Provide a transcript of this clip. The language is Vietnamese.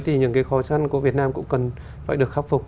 thì những cái khó khăn của việt nam cũng cần phải được khắc phục